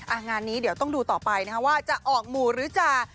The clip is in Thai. งานนี้เดี๋ยวต้องดูต่อไปนะคะว่าจะออกหมู่หรือจะ